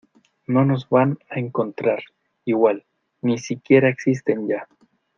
no nos van a encontrar. igual, ni si quiera existen ya .